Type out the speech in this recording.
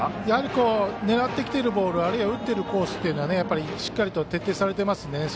やはり狙ってきているボール、あるいは打っているコースというのはしっかりと徹底されてますね。